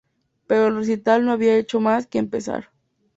Pero el recital no había hecho más que empezar.